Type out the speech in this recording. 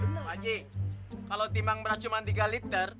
pak haji kalau timang beras cuma tiga liter